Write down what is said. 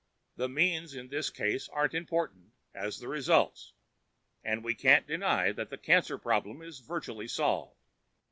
"The means in this case aren't as important as the results, and we can't deny that the cancer problem is virtually solved."